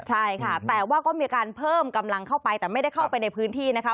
ใช่ค่ะแต่ว่าก็มีการเพิ่มกำลังเข้าไปแต่ไม่ได้เข้าไปในพื้นที่นะคะ